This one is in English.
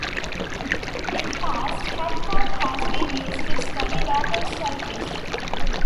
In the past, Cat Cove has been used to study local shellfish.